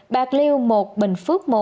bạc liêu một bình phước một